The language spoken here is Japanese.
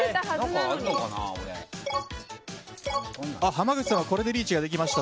濱口さんはこれでリーチができました。